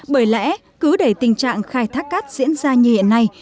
bởi lẽ cứ để tình trạng khai thác cát diễn ra như hiện nay